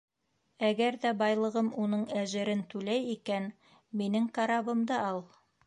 Әгәр ҙә байлығым уның әжерен түләй икән, минең карабымды ал.